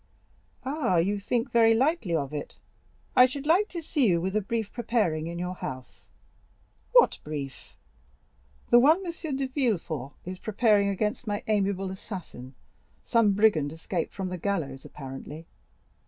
"Ah, you think very lightly of it; I should like to see you with a brief preparing in your house." "What brief?" "The one M. de Villefort is preparing against my amiable assassin—some brigand escaped from the gallows apparently."